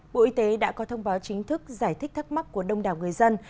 bộ y tế đã có thông báo chính thức giải thích thắc mắc của đông đảo người dân